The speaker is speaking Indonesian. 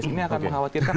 ini akan mengkhawatirkan